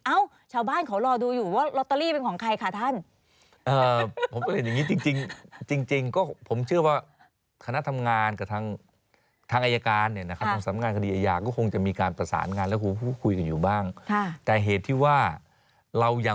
ชาวบ้านเขารอดูอยู่ว่าลอตเตอรี่เป็นของใครค่ะท่าน